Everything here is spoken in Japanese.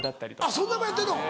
そんなんもやってんの！